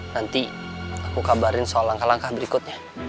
nanti aku kabarin soal langkah langkah berikutnya